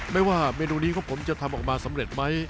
ว่าเมนูนี้ของผมจะทำออกมาสำเร็จไหม